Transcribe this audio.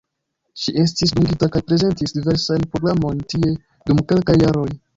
Ŝi estis dungita kaj prezentis diversajn programojn tie dum kelkaj jaroj.